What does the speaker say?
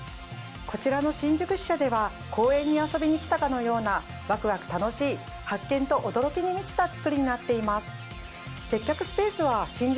こちらの新宿支社では公園に遊びに来たかのようなわくわく楽しい発見と驚きに満ちたつくりになっています。